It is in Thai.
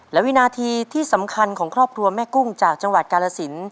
และวินาทีที่สำคัญของครอบครัวแม่กุ้งจากจังหวัดกาลสิน